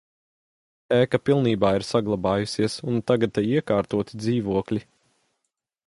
Ēka pilnībā ir saglabājusies, un tagad te iekārtoti dzīvokļi.